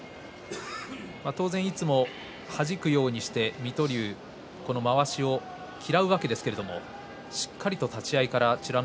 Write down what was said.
いつもは、はじくようにして水戸龍、まわしを嫌うわけですけれどもしっかりと立ち合いから美ノ